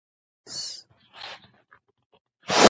Jales